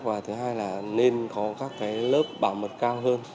và thứ hai là nên có các lớp bảo mật cao hơn